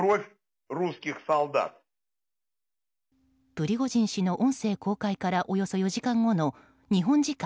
プリゴジン氏の音声公開からおよそ４時間後の日本時間